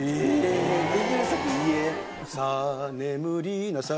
「さぁ眠りなさい」